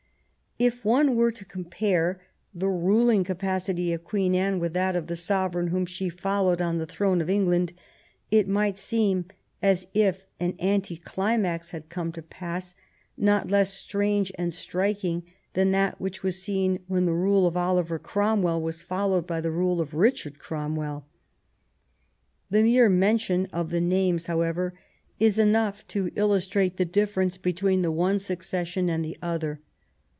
If one were to compare the ruling capacity of Queen Anne with, that of the sovereign whom she followed on the throne of England, it might seem as if an anti climax had come to pass not less strange and striking than that which was seen when the rule of Oliver Crom well was followed by the rule of Richard Cromwell. The mere mention of the names, however, is enough to illustrate the difference between the one succession and the other.